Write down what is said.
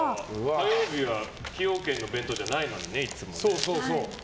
火曜日は崎陽軒の弁当じゃないのにね、いつも。